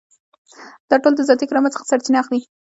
دا ټول د ذاتي کرامت څخه سرچینه اخلي.